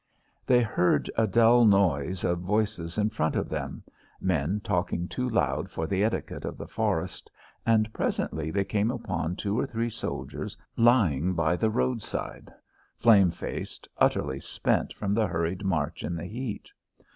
They heard a dull noise of voices in front of them men talking too loud for the etiquette of the forest and presently they came upon two or three soldiers lying by the roadside, flame faced, utterly spent from the hurried march in the heat.